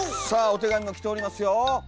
さあお手紙も来ておりますよ。